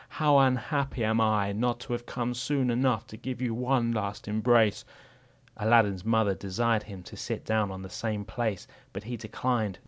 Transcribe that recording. how unhappy am I, not to have come soon enough to give you one last embrace." Aladdin's mother desired him to sit down in the same place, but he declined.